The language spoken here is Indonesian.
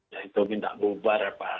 ya itu minta bubar apa